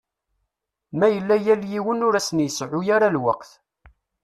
Ma yella yal yiwen ur asen-iseɛɛu ara lweqt.